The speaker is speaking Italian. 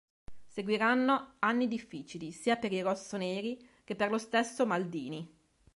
Seguiranno anni difficili sia per i rossoneri che per lo stesso Maldini.